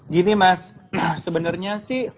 gini mas sebenarnya sih